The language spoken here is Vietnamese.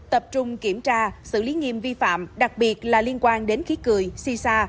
tập trung kiểm tra xử lý nghiêm vi phạm đặc biệt là liên quan đến khí cười si sa